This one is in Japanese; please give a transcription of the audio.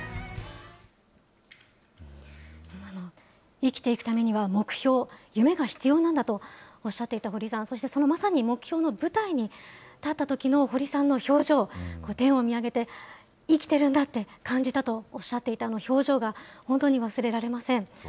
生きていくためには、目標、夢が必要なんだとおっしゃっていた堀さん、そして、そのまさに目標の舞台に立ったときの堀さんの表情、天を見上げて、生きているんだって感じたとおっしゃっていた、あの表情が本当に忘れられません。